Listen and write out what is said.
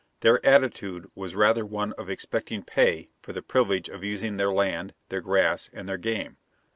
Their attitude was rather one of expecting pay for the privilege of using their land, their grass, and their game.